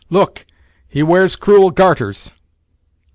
look! he wears cruel garters!"